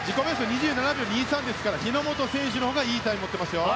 ２７秒２３ですから日本選手のほうがいいタイムを持ってますよ。